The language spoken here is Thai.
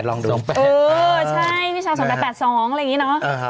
๒๘๒๘ลองดู๒๘เออใช่พี่เช้า๒๘๒อะไรอย่างนี้เนอะ